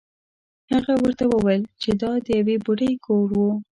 هغه ورته وویل چې دا د یوې بوډۍ کور و.